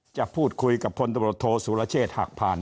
จะพูดคุยกับพนธโปรโธสุรเชษฐ์หักผ่าน